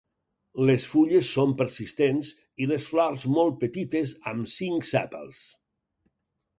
Les fulles són persistents i les flors molt petites amb cinc sèpals.